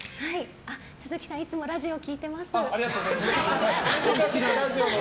都築さん、いつもラジオ聴いてます。